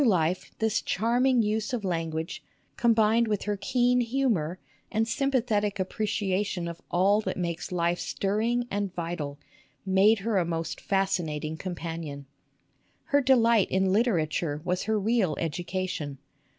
Through life this charming use of language, combined with her keen humor and sympathetic appreciation of all that makes life stirring and vital, made her a most fascinating companion. Her delight in literature was her real education.